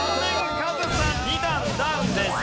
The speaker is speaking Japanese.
カズさん２段ダウンです。